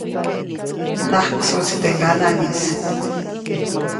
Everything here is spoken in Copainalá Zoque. Najksuʼtsi teʼ ŋganaŋʼis.